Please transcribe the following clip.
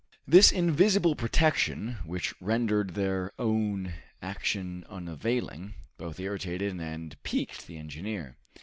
This invisible protection, which rendered their own action unavailing, both irritated and piqued the engineer.